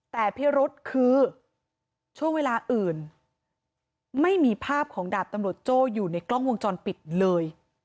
แต่พิรุษคือช่วงเวลาอื่นไม่มีภาพของดาบตำรวจโจ้อยู่ในกล้องวงจรปิดเลย